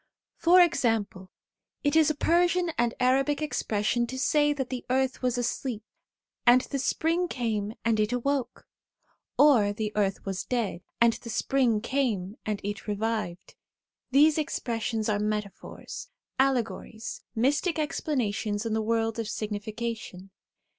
For example, it is a Persian and Arabic expression to say that the earth was asleep, and the spring came and it awoke ; or the earth was dead, and the spring came and it revived. These expressions are metaphors, allegories, mystic explanations in the world of signi fication.